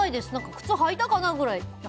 靴、履いたかな？くらい。